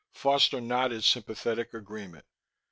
Foster nodded sympathetic agreement.